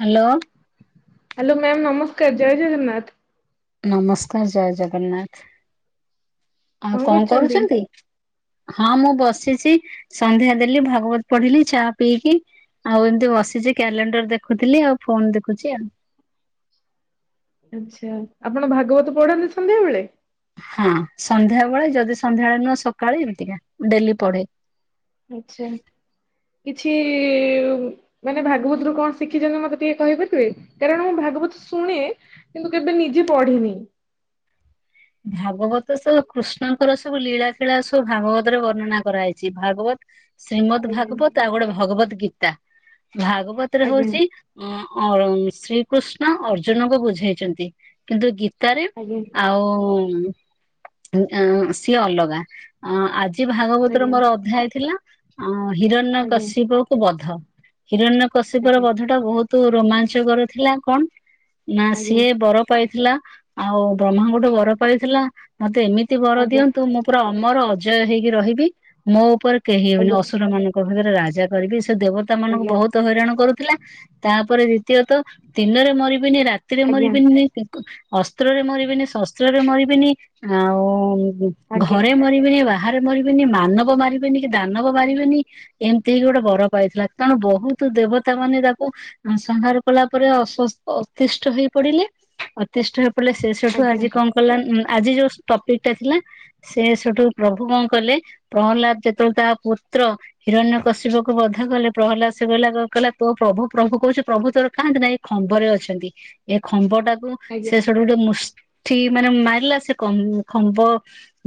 Hello. Hello ma'am ନମସ୍କାର। ଜୟ ଜଗନ୍ନାଥ। ନମସ୍କାର ଜୟ ଜଗନ୍ନାଥ। ଆଉ କଣ କରୁଛନ୍ତି? ହଁ ମୁଁ ବସିଛି। ସନ୍ଧ୍ୟା ଦେଲି ଭାଗବତ ପଢିଲି ଚା ପିଇକି ଆଉ ଏମିତି ବସିଛି କ୍ୟାଲେଣ୍ଡର ଦେଖୁଥିଲି ଆଉ ଫୋନ ଦେଖୁଛି ଆଉ। ଆଛା। ଆପଣ ଭାଗବତ ପଢନ୍ତି ସନ୍ଧ୍ୟା ବେଳେ? ହଁ ସନ୍ଧ୍ୟାବେଳେ ଯଦି ସନ୍ଧ୍ୟାବେଳେ ନୁହଁ ସକାଳେ ଏମିତିକା ଡେଲି ପଢେ। ଆଛା କିଛି ମାନେ ଭାଗବତରୁ କଣ ଶିଖିଛନ୍ତି ମତେ ଟିକେ କହିପାରିବେ? କାରଣ ମୁଁ ଭାଗବତ ଶୁଣେ କିନ୍ତୁ କେବେ ନିଜେ ପଢିନି। ଭାଗବତ ସବୁ କୃଷ୍ଣଙ୍କର ସବୁ ଲୀଳାଖିଳା ସବୁ ଭାଗବତରେ ବର୍ଣ୍ଣନା କରାହେଇଛି। ଭାଗବତ ଶ୍ରୀମଦ୍ ଆଜ୍ଞା ଭାଗବତ ଆଉ ଗୋଟେ ଭଗବତ ଗୀତା ଭାଗବତ ରେ ଆଜ୍ଞା ହଉଛି ଅ ଅ ଶ୍ରୀକୃଷ୍ଣ ଅର୍ଜୁନଙ୍କୁ ବୁଝେଇଛନ୍ତି କିନ୍ତୁ ଗୀତାରେ ଆଜ୍ଞା। ଆଉ ସିଏ ଅଲଗା ଆ ଆ ଭାଗବତର ମୋର ଅଧ୍ୟାୟ ଥିଲା ହିରଣ୍ୟ କଶ୍ୟପ କୁ ବଧ ହିରଣ୍ୟ କଶ୍ୟପ ର ବଧ ଟା ବହୁତ ରୋମାଞ୍ଚକର ଥିଲା କଣ? ନା ଆଜ୍ଞା ସିଏ ବର ପାଇଥିଲା ଆଉ ବ୍ରହ୍ମାଙ୍କଠୁ ବର ପାଇଥିଲା ମତେ ଏମିତି ତି ବର ଦିଅନ୍ତୁ ମୁଁ ପୁରା ଅମର ଅଜୟ ହେଇକି ରହିବି ମୋ ଉପରେ କେହି ହେବନି ଅସୁର ମାନଙ୍କ ଭିତରେ ରାଜା କରିବି ସେ ଦେବତା ମାନଙ୍କୁ ବହୁତ ତ ହଇରାଣ କରୁଥିଲା। ତାପରେ ଦିତୀୟତଃ ଦିନରେ ମରିବିନି ରାତିରେ ମରିବିନି ଅସ୍ତ୍ରରେ ମରିବେନି ଶସ୍ତ୍ରରେ ମରିବେନି ଆଉ ଘରେ ମରିବେନି ବାହାରେ ମରିବେନି ମାନବ ମାରିବେନି କି ଦାନବ ମାରିବେନି ଏମିତି ଗୋଟେ ବର ପାଇଥିଲା କାରଣ ବହୁତ ଦେବତା ମାନେ ତାକୁ ହ ସଂହାରହାର କଲା ପରେ ଅଶ୍ୱ ଅତିଷ୍ଠ ହେଇ ପଡିଲେ। ଅତିଷ୍ଟ ହେ ପଡ଼ିଲେ ସେ ସେଠୁ ଆଜି କଣ କଲା ଆଜି ଯୋଉ ଟପିକ ଟା ଥିଲା ସେ ସେଠୁ ପ୍ରଭୁ କଣ କଲେ ପ୍ରହଲ୍ଲାଦ ଯେତେବେଳେ ତା ପୁତ୍ର ହିରଣ୍ୟ କସିପକକୁ ବଧ କଲେ ପ୍ରହଲ୍ଲାଦ ସେକହିଲା କହିଲା ତୋ ପ୍ରଭୁ ପ୍ରଭୁ କହୁଛୁ ପ୍ରଭୁ ତୋର କାହାନ୍ତି ନାଇଁ ଖମ୍ବରେ ଅଛନ୍ତି ଏ ଖମ୍ବ ଟାକୁ ସେ ସେଠୁ ଗୋଟେ ମୁସ ଥୀ ମାନେ ମାରିଲା ସେ କ ଖମ୍ବ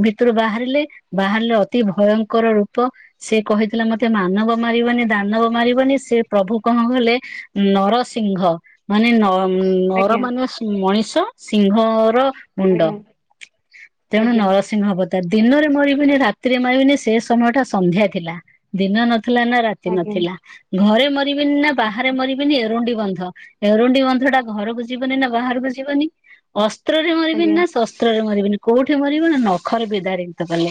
ଭିତରୁ ବାହାରିଲେ ବାହାରିଲେ ଅତି ଭୟଙ୍କର ରୂପ ସେ କହିଥିଲା ମତେ ମାନବ ମାରିବନି ଦାନବ ମାରିବନି ସେ ପ୍ରଭୁ କଣ ଗଲେ ନରସିଂହମାନେ ନ ଉ ନର ମାନେ ମଣିଷ ସିଂହର ମୁଣ୍ଡ ତେଣୁ ନର ନରସିଂହ ଅବତାର। ହବ ତ ଦିନରେ ମରିବିନି ରାତିରେ ମରିବିନି ସେ ସମୟ ଟା ସନ୍ଧ୍ୟା ଥିଲା ଦିନ ନଥିଲା ନା ରାତି ନଥିଲା ଘରେ ମରିବିନି ନା ବାହାରେ ମରିବି ବିନି ଏରୁଣ୍ଡି ବନ୍ଧ ଏରୁଣ୍ଡି ବନ୍ଧ ଟା ଘରକୁ ଯିବନି ନା ବାହାରକୁ ଯିବନି ଅ ଅସ୍ତ୍ରରେ ମରିବିନି ନା ଶସ୍ତ୍ରରେ ମରିବିନି କୋଉଠି ମରିବ ନା ନଖରେ ବିଦାରିତ କଲେ।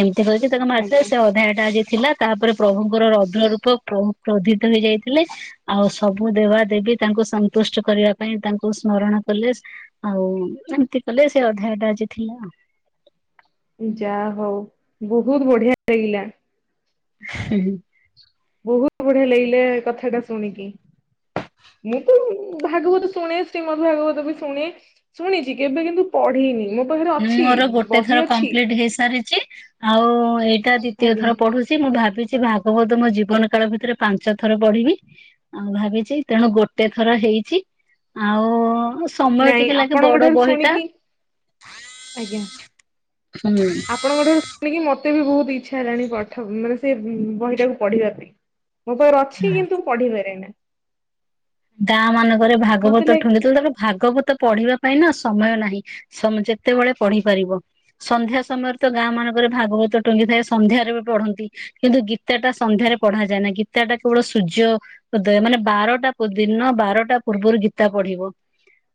ଏମିତି କରିକି କି ତାଙ୍କ ମାସରେ ସେ ଅଧାୟ ଟା ଆଜି ଥିଲା ତାପରେ ପ୍ରଭୁଙ୍କର ରବ୍ର ରୂପ ପ୍ରଭ କ୍ରୋଧିତ ହେଇଯାଇଥିଲେ ଆଉ ସବୁ ଦେବା ଦେବୀ ତାଙ୍କୁ ସନ୍ତୁଷ୍ଟ କରିବା ପାଇଁ ତାଙ୍କୁ ସ୍ମରଣ କଲେ। ଆଉ ଏମିତି କଲେ ସେ ଅଧାୟଟା ଆଜି ଥିଲା। ଯା ହଉ ବହୁତ ବଢିଆ ଲାଗିଲା। ହିଁ ହିଁ। ବହୁତ ବଢିଆ ଲାଗିଲା ଏ କଥାଟା ଶୁଣିକି। ମୁଁ ତ ଭାଗବତ ଶୁଣେ ଶ୍ରୀମଦ୍ ଭାଗବତ ବି ଶୁଣେ ଶୁଣିଛି କେବେ କିନ୍ତୁ ପଢିନି ମୁଁ ଉ ମୋର ଗୋଟେ ଥର କମ୍ପ୍ଲିଟ ହେଇସାରିଛି ଆଉ ଏଇଟା ଦ୍ଵିତୀୟ ଥର ପଢୁଛି। ମୁଁ ଭାବିଛି ଭାଗବତ ମୋ ଜୀବନ କାଳ ଭିତରେ ପାଞ୍ଚ ଥର ପଢିବି ଆଉ ଭାବିଛି ତେଣୁ ଗୋଟେ ଥର ହେଇଛି ଆଉ ସମୟ ନାଇଁ ଟିକେ ଲାଗେ ବଡ ବହି ଟା ଆଜ୍ଞା। ହୁଁ ଆପଣଙ୍କ ଠାରୁ ଶୁଣିକି ମୋତେ ବି ବହୁତ ଇଚ୍ଛା ହେଲାଣି ପଠ ମାନେ ସେ ବହିଟାକୁ ପଢ଼ିବା ପାଇଁ। ମୋ ପାଖରେ ଅଛି କିନ୍ତୁ ମୁ ପଢିପାରେ ନା। ଗାଁ ମାନଙ୍କରେ ଭାଗବତ ଠୁଙ୍ଗି ତବେଳେ ଭାଗବତ ପଢିବା ପାଇଁ ନା ସମୟ ନାହିଁ ସମ୍ ଯେତେବେଳେ ପଢିପାରିବ। ସନ୍ଧ୍ୟା ସମୟରେ ତ ଗାଁମାନଙ୍କରେ ଭାଗବତ ଟୁଙ୍ଗିଥାଏ ସନ୍ଧ୍ୟାରେ ବି ପଢ଼ନ୍ତି। କିନ୍ତୁ ଗୀତାଟା ସନ୍ଧ୍ୟାରେ ପଢ଼ାଯାଏ ନା ଗୀତାଟା କେବଳ ସୂର୍ଯ୍ୟ ଉଦୟ ମାନେ ବାରଟା ଦିନ ବାରଟା ପୂର୍ବରୁ ଗୀତା ପଢ଼ିବ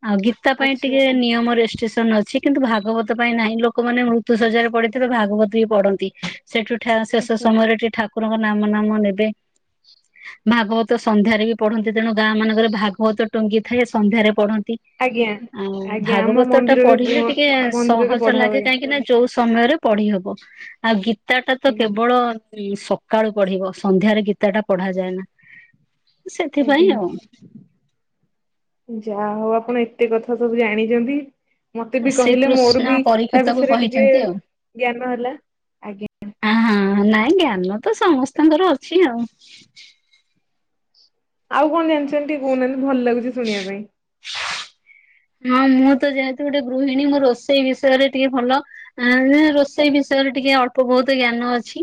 ଆଉ ଗୀ ତା ପାଇଁ ଟିକେ ଆଚ୍ଛା ନିୟମ ରେଷ୍ଟିସନ୍ ଅଛି। କିନ୍ତୁ ଭାଗବତ ପାଇଁ ନାହିଁ ଲୋକମାନେ ମୃତ୍ୟୁ ଶଜ୍ୟାରେ ପଡ଼ିଥିବେ ଭାଗବତ ବି ପଢ଼ନ୍ତି। ସେଠୁ ଠା ଶେଷ ସମୟରେ ଟି ଠା କରଙ୍କ ନାମ ନାମ ନେବେ ଭାଗବତ ସନ୍ଧ୍ୟାରେ ବି ପଢ଼ ତେଣୁ ଗାଁମାନଙ୍କର ଭାଗବତ ଟୁଙ୍ଗି ଥାଏ ସନ୍ଧ୍ୟାରେ ପଢ଼ନ୍ତି। ଆଉ ଆଜ୍ଞା ଆମ ଭାଗବତଟା ମନ୍ଦିରରେ ପଢ଼ିଲେ ଟିକେ ମନ୍ଦିରରେ ସହଜ ପଢା ଲାଗେ ହୁଏ କାହିଁକି ନାଁ ଯୋଉ ସମୟରେ ପଢ଼ି ହବ ଆଉ ଗୀତାଟା ତ କେବଳ ଉଁ ସ କାଳୁ ପଢ଼ିବ ସନ୍ଧ୍ୟାରେ ଗୀତାଟା ପଢ଼ାଯଏନା। ଆଜ୍ଞା ଯା ହଉ ଆପଣ ଏତେ କଥା ସବୁ ଜାଣିଚନ୍ତି। ମତେ ବି କହିଲେ ମୋର ଶ୍ରୀକୃଷ୍ଣ ବି ତା ପରୀକ୍ଷିତକୁ ବିଷୟରେ ଟିକେ କହିଛନ୍ତି ଆଉ। ଜ୍ଞାନ ହେଲା। ଆ ହଁ ନାଇଁ ଜ୍ଞାନ ତ ସମସ୍ତଙ୍କର ଅଛି ଆଉ। ଆଉ କଣ ଜାଣିଚନ୍ତି ଟିକେ କହୁନାହାନ୍ତି ଭଲ୍ ଲାଗୁଚି ଶୁଣିବା ପାଇଁ। ହଁ ମୁଁ ତ ଯେହେତୁ ଗୋଟେ ଗୃହିଣୀ ମୋ ରୋଷେଇ ବିଷୟରେ ଟିକେ ଭଲ ଆ ପା ରୋଷେଇ ବିଷୟରେ ଟିକେ ଅଳ୍ପ ବୋହୁତ ଜ୍ଞାନ ଅଛି।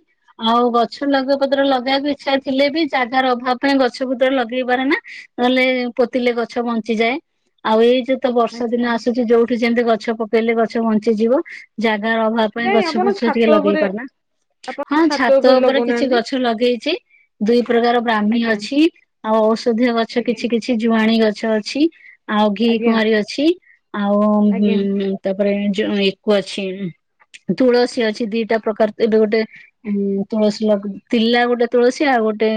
ଆଉ ଗଛ ଲଗେ ପତ୍ର ଲଗେଇବାକୁ ଇଚ୍ଛା ଥିଲେ ବି ଜାଗାର ଅଭାବ ପାଇଁ ଗଛ ପତ୍ର ଲଗେଇ ପାରେନା। ନହେଲେ ପୋତିଲେ ଗଛ ବଞ୍ଚିଯାଏ ଆଉ ଏଇ ଯୋ ତ ବର୍ଷା ଦିନ ଆସୁଚି ଯୋଉଠି ଯେମତି ଗଛ ପକେଇଲେ ଗଛ ବଞ୍ଚିଯିବ। ଜାଗାର ଅଭାବ ପାଇଁ କାଇଁ ଗଛ ଆପଣ ଫଛ ଛାତ ଟିକେ ଲଗେଇ ଉପରେ ପାରନା। ହଁ ଛାତ ଉପରେ କିଛି ଗଛ ଲଗେଇଚି। ଦୁଇ ପ୍ରକାର ବ୍ରାହ୍ମୀ ଅଛି ଆଉ ଔଷଧୀୟ ଗଛ କିଛି କିଛି ଜୁଆଣି ଗଛ ଅଛି ଆଉ ଘିକୁଆଁରୀ ଅଛି ଆଉ ଉଁ ତାପରେ ଜ ଏକୁ ଅଛି ତୁଳସୀ ଅଛି ଦିଟା ପ୍ରକାର ଏବେ ଗୋଟେ ଉଁ ତୁଳସୀ ଲଗ ତିଲା ଗୋଟେ ତୁଳସୀ ଆଉ ଗୋଟେ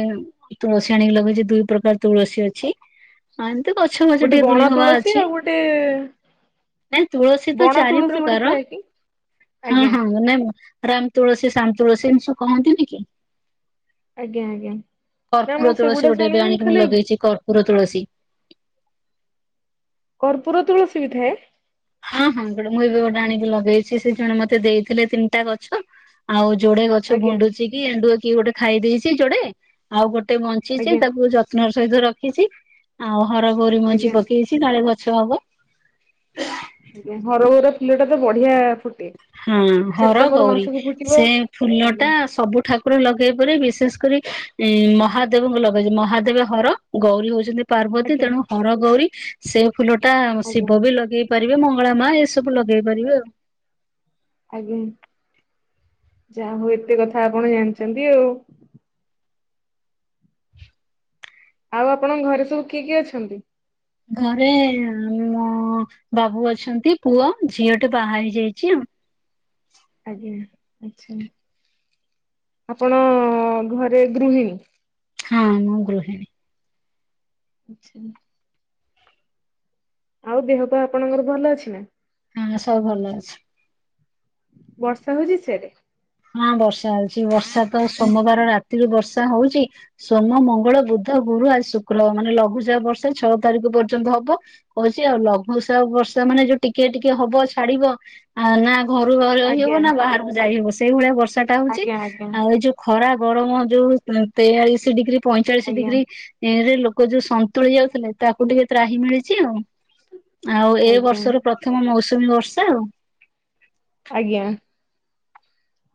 ଇ ତୁଳସୀ ଆଣିକି ଲଗେଇଚି ଦୁଇ ପ୍ରକାର ତୁଳସୀ ଅଛି ଅ ଏମତି ଗଛ ଗଛ ମଛ ଟିକେ ଦୁର୍ଲ୍ହବା ତି ଆଉ ଗୋଟେ ଏଁ ତୁଳସୀ ତ ବଣ ଚାରି ତୁଳସୀ ଗୋଟେ ପ୍ରକାର ଥାଏ କି? ହଁ ହଁ ନାଇଁ ରାମ୍ ତୁଳସୀ ସାମ୍ ତୁଳସୀ ଏମତି ସବୁ କହନ୍ତିନି କି? ନା ମୁଁ କର୍ପୁର ସେଗୁଡା ତୁଳସୀ ଗୋଟେ ଏବେ ଶୁଣିନି ଆଣିକି ଖାଲି ମୁଁ ଲଗେଇଚି କର୍ପୁର ତୁଳସୀ। କର୍ପୁର ତୁଳସୀ ବି ଥାଏ? ହଁ ହଁ ଗୋଟେ ମୁଁ ଏବେ ଗୋଟେ ଆଣିକି ଲଗେଇଚି ସେ ଜଣେ ମତେ ଦେଇଥିଲେ ତିନିଟା ଗଛ। ଆଉ ଯୋଡ଼େ ଗଛ ଗୁଣ୍ଡୁଚି କି ଏଣ୍ଡୁଅ କିଏ ଗୋଟେ ଖାଇ ଦେଇେଚି ଯୋଡ଼େ। ଆଉ ଗୋଟେ ବଞ୍ଚିଚି ତାକୁ ଯତ୍ନର ସହିତ ରଖିଚି ଆଉ ହରଗୌରୀ ମଞ୍ଜି ପକେଇ ଛି କାଳେ ଗଛ ହବ। ଆଜ୍ଞା ହରଗୌରା ଫୁଲଟା ତ ବଢ଼ିଆ ଫୁ ହଁ ହରଗୌରୀ ଫୁଟିବ ସେ ଫୁଲଟା ସବୁ ଠା କୁର ଲଗେଇ ପାରି ବିଶେଷ କରି ଇଁ ମହାଦେବଙ୍କୁ ଲଗାଯାଏ ମହାଦେବ ହର ଗୌରୀ ହଉଛନ୍ତି ପାର୍ବତୀ ତେଣୁ ହରଗୌରୀ ସେ ଫୁଲଟା ଶିବ ବି ଲଗେଇ ପାରିବେ ମଙ୍ଗଳା ମା ଏସବୁ ଲଗେଇ ପାରିବେ ଆଉ। ଆଜ୍ଞା ଯା ହଉ ଏତେ କଥା ଆପଣ ଜାଣିଚନ୍ତି ଆଉ। ଆଉ ଆପଣଙ୍କ ଘରେ ସବୁ କିଏ କିଏ ଅଛନ୍ତି? ଘରେ ମୋ ବାବୁ ଅଛନ୍ତି ପୁଅ ଝିଅଟେ ବାହା ହେଇଯାଇଚି ଅ। ଆଜ୍ଞା ଆଚ୍ଛା ଆପଣ ଘରେ ଗୃହିଣୀ? ହଁ ମୁଁ ଗୃହିଣୀ। ଆଚ୍ଛା। ଆଉ ଦେହ ପା ଆପଣଙ୍କର ଭଲ ଅଛି ନାଁ? ହଁ ସବୁ ଭଲ ଅଛି। ବର୍ଷା ହୋଉଚି ସିଆଡ଼େ? ହଁ ବର୍ଷା ହଉଚି ବର୍ଷା ତ ସୋମବାର ରାତିରୁ ବର୍ଷା ହଉଚି। ସୋମ ମଙ୍ଗଳ ବୁଦ୍ଧ ଗୁରୁ ଆଜି ଶୁକ୍ର ମାନେ ଲଘୁଚାପ ବର୍ଷା ଛଅ ତାରିକ ପର୍ଯ୍ୟନ୍ତ ହବ। କଉଛି ଆଉ ଲଘୁ ବର୍ଷା ମାନେ ଯୋଉ ଟିକେ ଟିକେ ହବ ଛାଡିବ ନା। ଘରୁ ରହିହବ ନା ବାହାରକୁ ଯାଇହେବ ସେଇଭଳିଆ ବର୍ଷା ଟା ହଉଚି ଆଉ। ଯୋଉ ଖରା ଗରମ ଯୋଉ ତେୟାଳିଶ ଡିଗ୍ରୀ ପଇଁଚାଳିଶ ଡିଗ୍ରୀ। ଏଇରେ ଲୋକ ଯୋଉ ସନ୍ତୁଳି ଯାଉଥିଲେ ତାକୁ ଟିକେ ତ୍ରାହି ମିଳିଚି ଆଉ। ଆଉ ଏ ବର୍ଷର ପ୍ରଥମ ମୌସୁମୀ ବର୍ଷା ଆଉ। ଆଜ୍ଞା।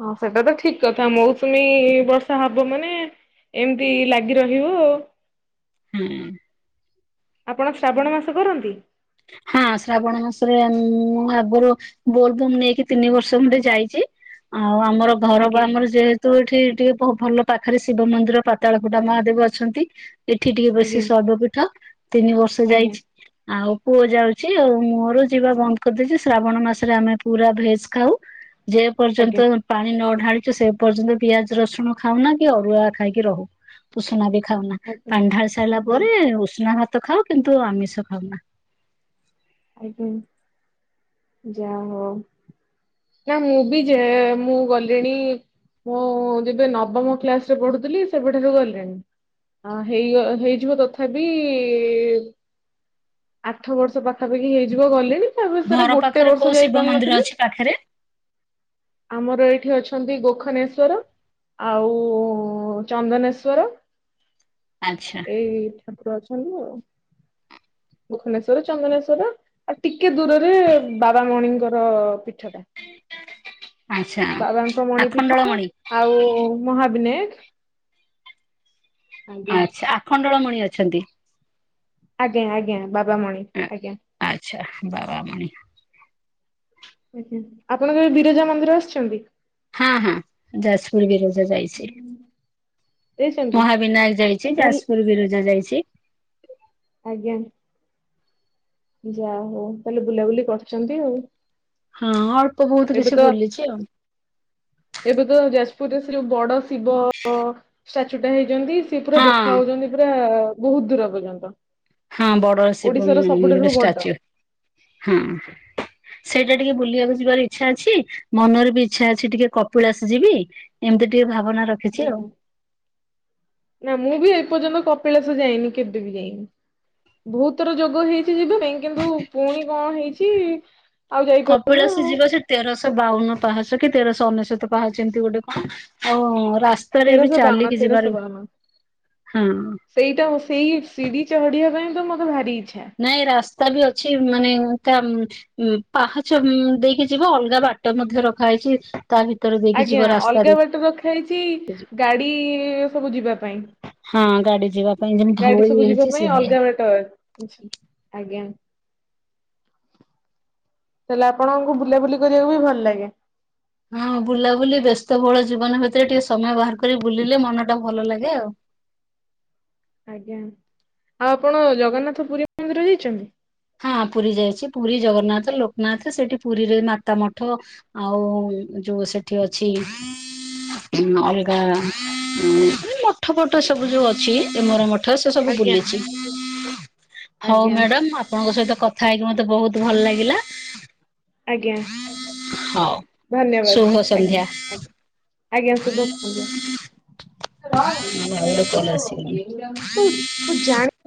ହଁ ସେଟା ତ ଠିକ କଥା ମୌସୁମୀ ବର୍ଷା ହବ ମାନେ ଏମିତି ଲାଗି ରହିବ ଆଉ। ହୁଁ। ଆପଣ ଶ୍ରାବଣ ମାସ କରନ୍ତି? ହଁ ଶ୍ରାବଣ ମାସରେ ମୁଁ ଆଗୁରୁ ବୋଲଵମ ନେଇକି ତିନି ବର୍ଷ ଖଣ୍ଡେ ଯାଇଚି ଆଉ ଆମର ଘର ବା ଆମର ଯେ ତ ଏଠି ଟିକେ ବହୁ ଭଲ ପାଖରେ ଶିବ ମନ୍ଦିର ପାତାଳ ଫୁଟା ମହାଦେବ ଅଛନ୍ତି। ଏଠି ଟିକେ ବେଶୀ ଶୈବ ପୀଠ ତିନି ବର୍ଷ ଯାଇଛି ଆଉ। ପୁଅ ଯାଉଚି ଆଉ ମୋର ଯିବା ବନ୍ଦ କରିଦେଇଚି ଶ୍ରାବଣ ମାସରେ ଆମେ ପୁରା ଭେଜ ଖାଉ। ଯେ ପର୍ଯ୍ୟନ୍ତ ପାଣି ନଢାଳିଚୁ ସେ ପର୍ଯ୍ୟନ୍ତ ପିଆଜ ରସୁଣ ଖାଉନା କି ଅରୁଆ ଖାଇକି ରହୁ ଉଷୁନା ବି ଖାଉନା ପାଣିଢାଳି ସାରିଲା ପରେ ଉଷୁନା ଭାତ ଖାଉ କିନ୍ତୁ ଆମିଷ ଖାଉନା। ଆଜ୍ଞା ଯା ହଉ। ନା ମୁଁ ବି ଯାଏ ମୁଁ ଗଲିଣି ମୁଁ ଯେବେ ନବମ କ୍ଲାସରେ ପଢୁଥିଲି ସେବେଠାରୁ ଗଲିଣି। ଅ ହେଇଗ ହେଇଯିବ ତଥାପି ଇ ଆଠ ବର୍ଷ ପା ପାଖା ପାଖି ହେଇଯିବ ଗଲିନି ତା ଭିତରେ ଗୋଟେ ବର୍ଷ ଯାଇପାରିନଥିଲି। ପାଖେରେ। ଆମର ଏଇଠି ଅଛନ୍ତି ଗୋଖନେଶ୍ଵର। ଆଉ ଉ ଚନ୍ଦନେଶ୍ଵର। ଆଚ୍ଛା। ଏ ଠାକୁର ଅଛନ୍ତି ଆଉ ଗୋଖନେଶ୍ଵର ଚନ୍ଦନେଶ୍ଵର। ଆଉ ଟିକେ ଦୂରରେ ବାବା ମଣିଙ୍କର ପିଠଟା। ଆଚ୍ଛା ବାବାଙ୍କ ମଣିପୀଠ ଆଖଣ୍ଡଳମଣି ଆଉ ମହାବିନାୟେକ। ଆଚ୍ଛା ଆଖଣ୍ଡଳମଣି ଅଛନ୍ତି। ଆଜ୍ଞା ଆଜ୍ଞା ବାବାମଣି ଆ- ଆଜ୍ଞା। ଆଚ୍ଛା ବାବାମଣିି। ଆଜ୍ଞା ଆପଣ କେବେ ବିରଜା ମନ୍ଦିର ଆସିଚନ୍ତି। ହଁ ହଁ ଯାଜପୁର ବିରଜା ଯାଇଚି। ଯାଇଛନ୍ତି? ମହାବିନାୟକ ଯାଇଛି ଭଲ ଯାଜପୁର ବିରଜା ଯାଇଛି। ଆଜ୍ଞା। ଯା ହଉ ତାହେଲେ ବୁଲାବୁଲି କରିଛନ୍ତି ଆଉ। ହଁ ଅଳ୍ପ ବହୁତ ଏବେ କିଛି ତ ବୁଲିଛି ଆଉ। ଏବେ ତ ଯାଜପୁରରେ ସେ ଯୋଉ ବଡ ଶିବ ଷ୍ଟାଚୁ ଟା ହେଇଛନ୍ତି। ସେ ପୁରା ହଁ ଦେଖା ଜାଉଛନ୍ତି ପୁରା ବହୁତ ଦୂର ପର୍ଯ୍ୟନ୍ତ। ହଁ ବଡ଼ ଓଡିଶାର ଶିବମନ୍ଦିରଟା ସବୁଠାରୁ ବଡ। ଷ୍ଟାଚୁ ହଁ। ସେଇଟା ଟିକେ ବୁଲିବାକୁ ଯିବାର ଇଚ୍ଛା ଅଛି ମନରେ ବି ଇଚ୍ଛା ଅଛି ଟିକେ କପିଲାସ ଯିବି। ଏମିତି ଟିକେ ଭାବନା ରଖି ହୁଁ। ନା ମୁଁ ବି ଏପର୍ଯ୍ୟନ୍ତ କପିଳାସ ଯାଇନି କେବେ ବି ଯାଇନି। ଵହୁଥର ଯୋଗ ହେଇଚି ଯିବା ପାଇଁ କିନ୍ତୁ ପୁଣି କଣ ହେଇଚି ଆଉ ଯାଇ କପିଳାସ ଯିବ ସେ ତେରଶହ ବାଉନ ପାହାଚ କି ତେରଶହ ଅନେଶତ ପାହାଚ ଏମତି ଗୋଟେ କଣ। ଆଉ ରାସ୍ତାରେ ବି ତେରଶହ ବାଉନ ଚାଲିକି ତେରଶହ ଯିବାରେ ବାଉନ। ହଁ। ସେଇଟା ସେଇ ସିଢ଼ି ଚଢ଼ିବା ପାଇଁ ତ ମୋତେ ଭାରି ଇଚ୍ଛା। ନାଇଁ ରାସ୍ତା ବି ଅଛି ମାନେ ତା ଉଁ ପାହାଚ ଉଁ ଦେଇକି ଯିବ ଅଲଗା ବାଟ ମଧ୍ୟ ରଖା ହେଇଚି। ତା ଭିତରେ ଦେଖି ଯିବ ରାସ୍ତା ଦେ ହେଇଚି ଗାଡି ସବୁ ଯିବା ପାଇଁ। ହଁ ଗାଡି ଯିବା ପାଇଁ ଯେମିତି ଧୋଉଳି ହେଇଚି ସେଭଳି। ତ ଛି ଆଜ୍ଞା। ତାହାଲେ ଆପଣଙ୍କୁ ବୁଲାବୁଲି କରିବାକୁ ବି ଭଲ ଲାଗେ? ହଁ ବୁଲାବୁଲି ବ୍ୟସ୍ତବୋହୁଳ ଜୀବନ ଭିତରେ ଟିକେ ସମୟ ବାହାର କରି ବୁଲିଲେ ମନ ଟା ଭଲ ଲାଗେ ଆଉ। ଆଜ୍ଞା ଆଉ ଆପଣ ଜଗନ୍ନାଥ ପୁରୀ ମନ୍ଦିର ଯାଇଛନ୍ତି? ହଁ ପୁରୀ ଯାଇଛି ପୁରୀ ଜଗନ୍ନାଥ ଲୋକନାଥ ସେଠି ପୁରୀରେ ମାତା ମଠ ଆଉ ଯୋଉ ସେଠି ଅଛି ଅଲଗା ଉଁ ମଠ ଫଟ ସବୁ ଯୋଉ ଅଛି ଏମର ମଠ ମଠ ସେ ସବୁ ବୁଲିଚି ହୋଉ ମ୍ୟାଡ଼ାମ ମୁଁ ଆପ ଆପଣଙ୍କ ସହିତ କଥା ହେଇକି ମତେ ବୋହୁତ ଭଲ ଲାଗିଲା। ଆଜ୍ଞା ହଉ। ଧନ୍ୟବାଦ ଶୁଭ ଆଜ୍ଞା ସନ୍ଧ୍ୟା ଆଜ୍ଞା। ଆଜ୍ଞା ସବୁ ଭଲ। [inaudible] ଆଉ ଗୋଟେ ସନ୍ଧ୍ୟା। କଲ୍ ଆସିଗଲାଣି।